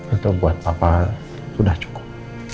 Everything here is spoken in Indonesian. itu buat papa udah cukup